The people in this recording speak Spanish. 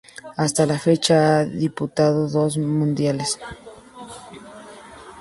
Hasta la fecha ha disputado dos mundiales.